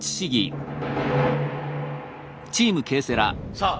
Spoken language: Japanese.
さあ